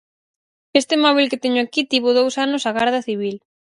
Este móbil que teño aquí tívoo dous anos a Garda Civil.